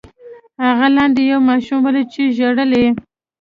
هغه لاندې یو ماشوم ولید چې ژړل یې.